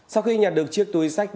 sau khi nhặt được chiếc túi sách